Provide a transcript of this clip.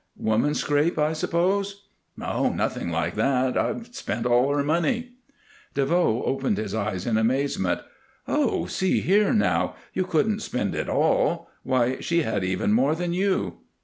"Woman scrape, I suppose." "No, nothing like that. I've spent all her money." DeVoe opened his eyes in amazement. "Oh, see here now, you couldn't spend it all! Why, she had even more than you!"